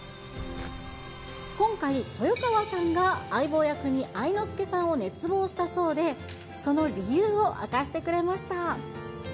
今回、豊川さんが相棒役に愛之助さんを熱望したそうで、その理由を明かしてくれました。